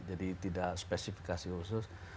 jadi tidak spesifikasi khusus